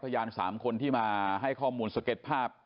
พยาน๓คนที่มาให้ข้อมูลสเก็ตภาพ